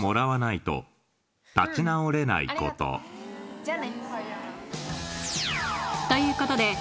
じゃあね。